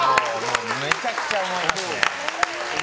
めちゃくちゃ思います。